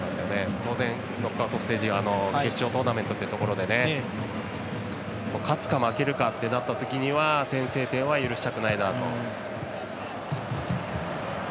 当然、決勝トーナメントというところで勝つか負けるかってなったときには先制点は許したくないなと。